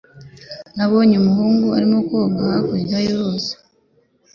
Nabonye umuhungu arimo koga hakurya y'uruzi.